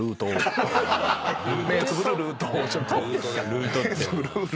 「ルート」って。